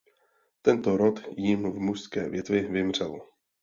Tento rod jím v mužské větvi vymřel.